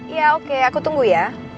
ya oke aku tunggu ya